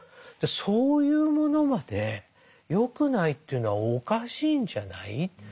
そういうものまで良くないというのはおかしいんじゃない？